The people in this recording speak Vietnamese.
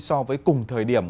so với cùng thời điểm